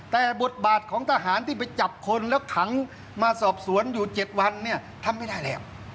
แต่บทบาทของทหารที่ไปจับคนแล้วขังมาสอบสวนอยู่๗วันเนี่ยทำไม่ได้แล้ว